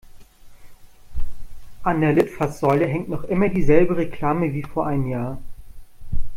An der Litfaßsäule hängt noch immer dieselbe Reklame wie vor einem Jahr.